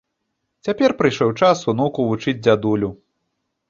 Цяпер прыйшоў час унуку вучыць дзядулю.